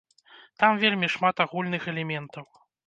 Там вельмі шмат агульных элементаў.